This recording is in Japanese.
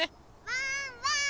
・ワンワーン！